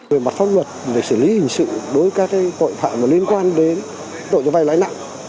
về mặt pháp luật về xử lý hình sự đối với các tội phạm liên quan đến tội cho vay lãi nặng